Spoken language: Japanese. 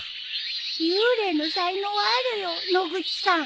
幽霊の才能あるよ野口さん。